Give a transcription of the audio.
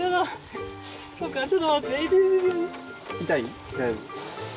痛い？